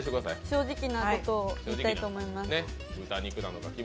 正直なところをいきたいと思います。